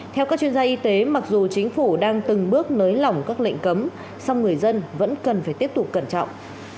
theo các chuyên gia y tế mặc dù chính phủ đang từng bước nới lỏng các lệnh cấm song người dân vẫn cần phải tiếp tục cẩn trọng